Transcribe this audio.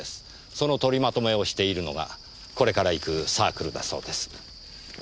その取りまとめをしているのがこれから行くサークルだそうです。